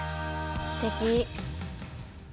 すてき！